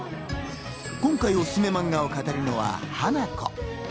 今回おすすめなマンガを語るのはハナコ。